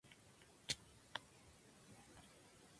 Otra característica de sus novelas es su pesimismo hacia la vida.